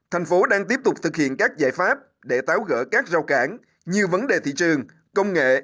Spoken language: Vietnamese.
thành phố đang tiếp tục thực hiện các giải pháp để tháo gỡ các rào cản như vấn đề thị trường công nghệ